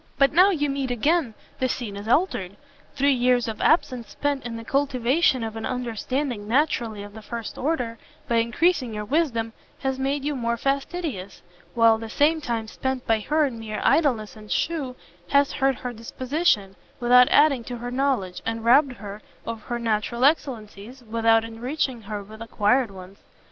But now you meet again the scene is altered; three years of absence spent in the cultivation of an understanding naturally of the first order, by encreasing your wisdom, has made you more fastidious; while the same time spent by her in mere idleness and shew, has hurt her disposition, without adding to her knowledge, and robbed her of her natural excellencies, without enriching her with acquired ones.